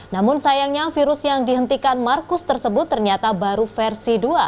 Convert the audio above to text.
namun sayangnya virus yang dihentikan marcus tersebut ternyata baru versi dua